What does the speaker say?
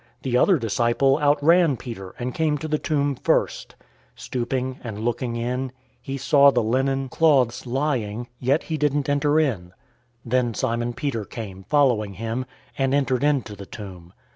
The other disciple outran Peter, and came to the tomb first. 020:005 Stooping and looking in, he saw the linen cloths lying, yet he didn't enter in. 020:006 Then Simon Peter came, following him, and entered into the tomb.